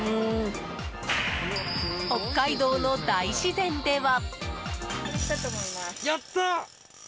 北海道の大自然では。